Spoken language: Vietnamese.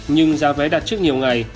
nhưng giá vé đặt trước nhiều ngày